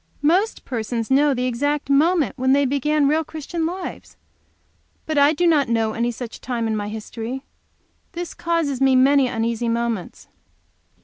"Most persons know the exact moment when they begin real Christian lives. But I do not know of any such time in my history. This causes me many uneasy moments."